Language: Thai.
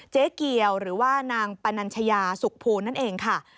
เจ๊เกียวหรือว่านางปนัญชยาสุขภูลนั่นเองค่ะ